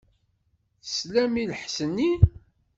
Teslam i lḥess-nni?